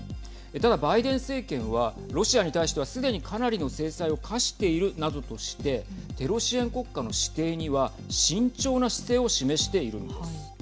ただ、バイデン政権はロシアに対してはすでに、かなりの制裁を科しているなどとしてテロ支援国家の指定には慎重な姿勢を示しているんです。